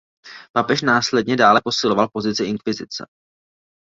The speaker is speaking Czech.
Papež následně dále posiloval pozici inkvizice.